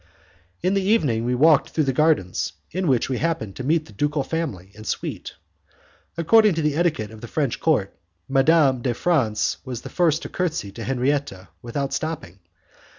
In the evening we walked through the gardens, in which we happened to meet the ducal family and suite. According to the etiquette of the French court, Madame de France was the first to curtsy to Henriette, without stopping.